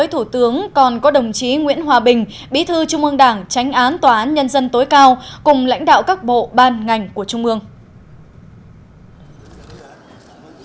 hãy nhớ like share và đăng ký kênh của chúng mình nhé